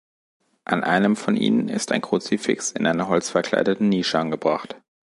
An einem von ihnen ist ein Kruzifix in einer holzverkleideten Nische angebracht.